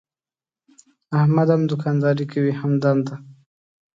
احمد هم دوکانداري کوي هم دنده.